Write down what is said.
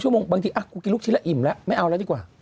บางทีกูกินลูกชิ้นแล้วอิ่มแล้วไม่เอาแล้วดีกว่า